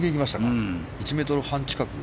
１ｍ半近く。